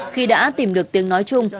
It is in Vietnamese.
khi đã tìm được tiếng nói chung